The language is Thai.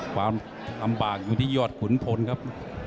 ความลำบากอยู่ที่ยอดขุนพลครับ